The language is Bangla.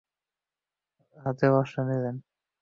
হাতে বর্শা নিলেন।